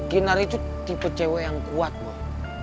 kinar itu tipe cewek yang kuat mah